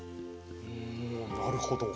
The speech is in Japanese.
おなるほど。